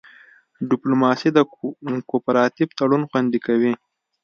ډیپلوماسي د کوپراتیف تړون خوندي کوي